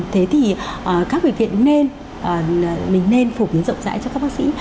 thế thì các bệnh viện nên mình nên phục dụng dạy cho các bác sĩ